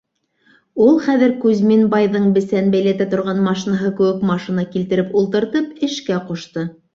Ул хәҙер Кузьмин байҙың бесән бәйләтә торған машинаһы кеүек машина килтереп ултыртып, эшкә ҡушты.